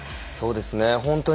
そうですね。